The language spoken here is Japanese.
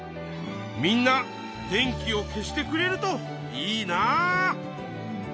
みんな電気を消してくれるといいな。